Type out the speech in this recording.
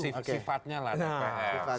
sifatnya lah tpf